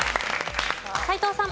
斎藤さん。